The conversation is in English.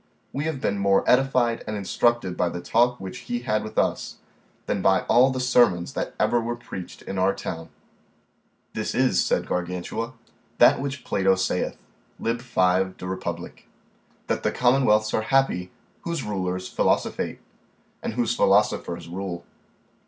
We have been more edified and instructed by the talk which he had with us, than by all the sermons that ever were preached in our town. This is, said Gargantua, that which Plato saith, Lib. 5 de Republ., that those commonwealths are happy, whose rulers philosophate, and whose philosophers rule.